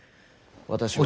私は。